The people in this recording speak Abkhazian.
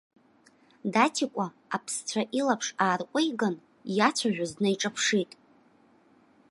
Даҭикәа аԥсцәа илаԥш аарҟәиган, иацәажәоз днаиҿаԥшит.